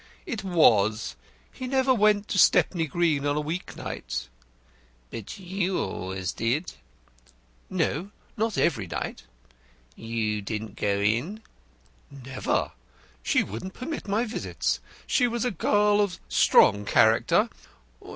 "It was. He never went to Stepney Green on a week night." "But you always did." "No not every night." "You didn't go in?" "Never. She wouldn't permit my visits. She was a girl of strong character.